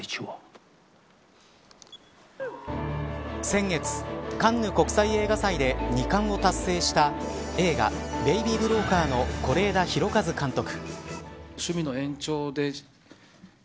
先月、カンヌ国際映画祭で２冠を達成した映画、ベイビー・ブローカーの是枝裕和監督。